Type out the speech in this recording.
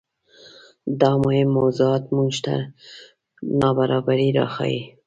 دا مهم موضوعات موږ ته نابرابرۍ راښيي.